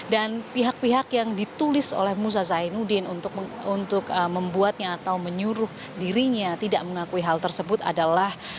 dan pihak pihak yang ditulis oleh musa zainuddin untuk membuatnya atau menyuruh dirinya tidak mengakui hal tersebut adalah